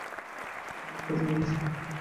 কিন্তু একটা জিনিস স্পষ্ট।